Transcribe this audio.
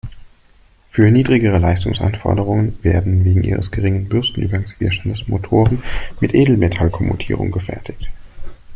Für niedrigere Leistungsanforderungen werden wegen ihres geringen Bürsten-Übergangswiderstandes Motoren mit Edelmetall-Kommutierung gefertigt.